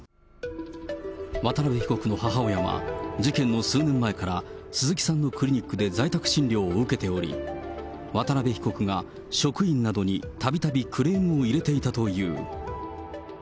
渡辺被告の母親は事件の数年前から、鈴木さんのクリニックで在宅診療を受けており、渡辺被告が職員などにたびたびクレームを入れていたという。